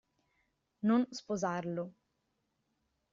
Non sposarlo.